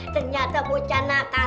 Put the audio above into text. ternyata bocah nakal